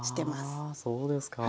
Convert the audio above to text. はあそうですか。